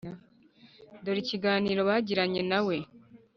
dore ikiganiro bagiranye nawe